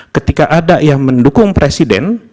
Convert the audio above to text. ketika ada yang mendukung presiden